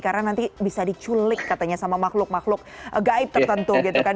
karena nanti bisa diculik katanya sama makhluk makhluk gaib tertentu gitu kan